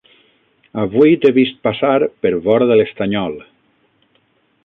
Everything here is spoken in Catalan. Avui t'he vist passar per vora de l'estanyol